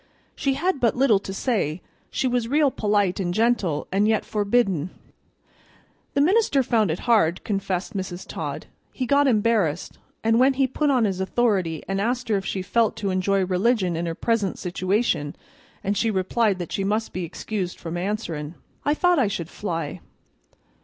She had but little to say; she was real polite an' gentle, and yet forbiddin'. The minister found it hard," confessed Mrs. Todd; "he got embarrassed, an' when he put on his authority and asked her if she felt to enjoy religion in her present situation, an' she replied that she must be excused from answerin', I thought I should fly.